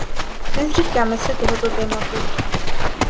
Nezříkáme se tohoto tématu.